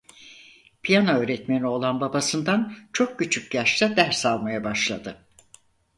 Piyano öğretmeni olan babasından çok küçük yaşta ders almaya başladı.